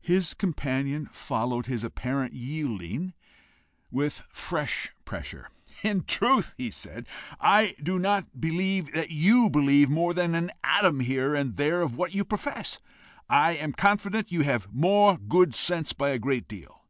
His companion followed his apparent yielding with fresh pressure. "In truth," he said, "I do not believe that YOU believe more than an atom here and there of what you profess. I am confident you have more good sense by a great deal."